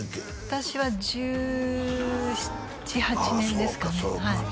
私は１７１８年ですかねああ